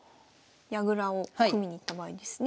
矢倉を組みにいった場合ですね。